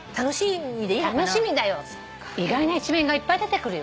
意外な一面がいっぱい出てくるよ。